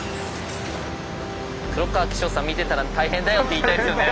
黒川紀章さん見てたら「大変だよ」って言いたいですよね。